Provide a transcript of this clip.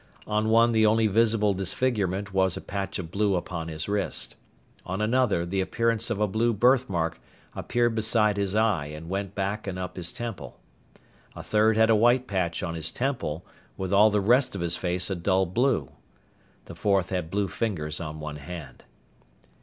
On one the only visible disfigurement was a patch of blue upon his wrist. On another the appearance of a blue birthmark appeared beside his eye and went back and up his temple. A third had a white patch on his temple, with all the rest of his face a dull blue. The fourth had blue fingers on one hand.